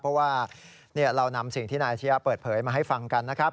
เพราะว่าเรานำสิ่งที่นายอาชียะเปิดเผยมาให้ฟังกันนะครับ